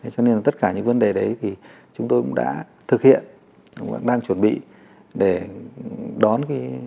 cho nên tất cả những vấn đề đấy thì chúng tôi cũng đã thực hiện đang chuẩn bị để đón